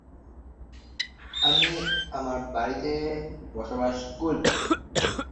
বাকি কুমায়ুন জটিল পার্বত্য বিন্যাসে শৃঙ্খলাবদ্ধ, তার মধ্যে কিছু কিছু সুউচ্চ এবং দুর্গম।